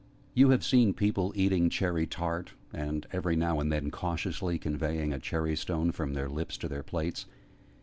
You have seen people eating cherry tart, and every now and then cautiously conveying a cherry stone from their lips to their plates?